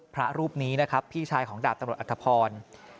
พระรูปนี้นะครับพี่ชายของดาบตำรวจอัธพร